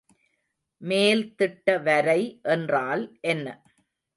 மேல்திட்ட வரை என்றால் என்ன?